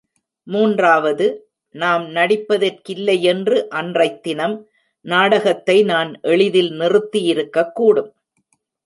மூன்றாவது, நாம் நடிப்பதற்கில்லையென்று அன்றைத்தினம் நாடகத்தை நான் எளிதில் நிறுத்தியிருக்கக்கூடும்.